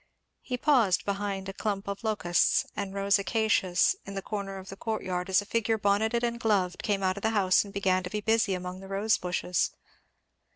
He paused behind a clump of locusts and rose acacias in the corner of the courtyard as a figure bonneted and gloved came out of the house and began to be busy among the rose bushes.